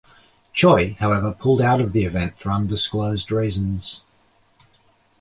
Choi however pulled out of the event for undisclosed reasons.